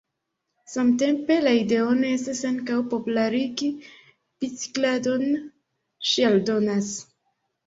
Samtempe la ideo estas ankaŭ popularigi bicikladon, ŝi aldonas.